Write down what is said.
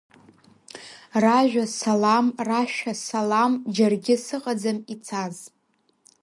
Ражәа салам, рашәа салам, џьаргьы сыҟаӡам ицаз.